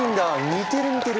似てる似てる！